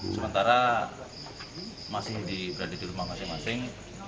sementara masih berada di rumah masing masing